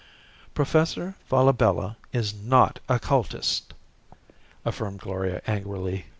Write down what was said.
"Professor Falabella is not a cultist!" affirmed Gloria angrily.